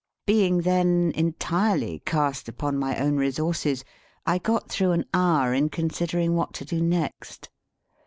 Being then entirely cast upon my own resources, I got through an hour in considering what to do next.